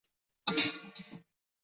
Xurmo juda shirin edi